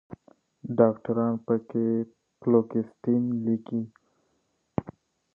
ډاکټران پکښې فلوکسیټين لیکي